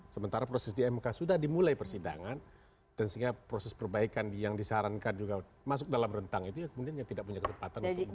sementara proses di mk sudah dimulai persidangan dan sehingga proses perbaikan yang disarankan juga masuk dalam rentang itu ya kemudian yang tidak punya kesempatan untuk